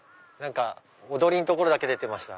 踊りのところだけ出てました。